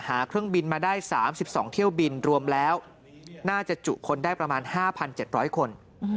เครื่องบินมาได้๓๒เที่ยวบินรวมแล้วน่าจะจุคนได้ประมาณ๕๗๐๐คน